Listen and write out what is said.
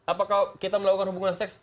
apakah kita melakukan hubungan seks